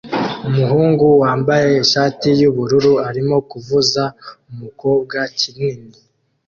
Umuhungu wambaye ishati yubururu arimo kuvuza umukobwa kinini